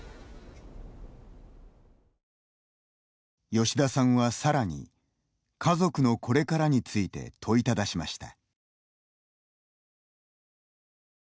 吉田さんはさらに家族のこれからについて問いただしました。